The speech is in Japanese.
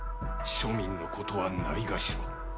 庶民の事はないがしろ。